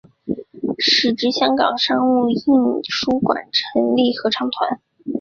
时值香港商务印书馆成立合唱团。